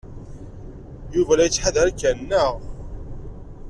Yuba la yettḥadar kan, naɣ?